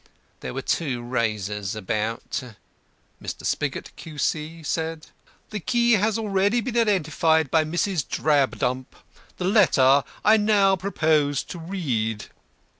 There were two razors about." Mr. SPIGOT, Q.C., said: "The key has already been identified by Mrs. Drabdump. The letter I now propose to read."